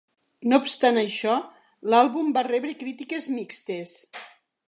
No obstant això, l'àlbum va rebre crítiques mixtes.